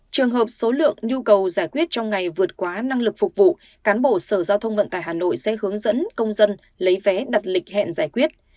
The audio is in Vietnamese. trường hợp số lượng nhu cầu giải quyết trong ngày vượt quá năng lực phục vụ cán bộ sở giao thông vận tải hà nội sẽ hướng dẫn công dân lấy vé đặt lịch hẹn giải quyết